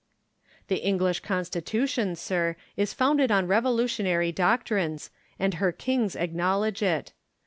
The English Constitution, sir, is founded on revolutionary doctrines, and her kings acknowledge it.